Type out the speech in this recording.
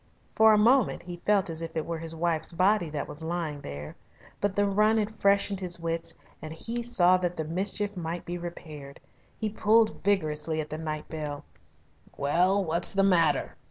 For a moment he felt as if it were his wife's body that was lying there. But the run had freshened his wits and he saw that the mischief might be repaired. He pulled vigorously at the night bell. "Well, what's the matter?"